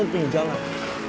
untuk pergi jalan